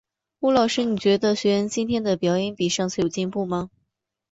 吴老师，你觉得学员今晚的表演比上次有进步吗？